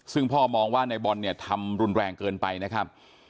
ซึ่งพ่อมองว่าในบอลเนี่ยทำรุนแรงเกินไปนะครับ